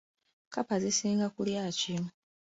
Kkapa zisinga kulya ki?